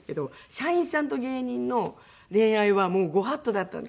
社員さんと芸人の恋愛はもうご法度だったんです。